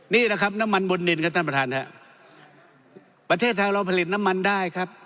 นี่แหละครับน้ำมันบนดินครับท่านประธานครับประเทศไทยเราผลิตน้ำมันได้ครับ